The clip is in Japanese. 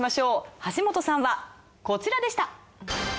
橋本さんはこちらでした。